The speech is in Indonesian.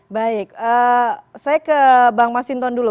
baik saya ke bang masinton dulu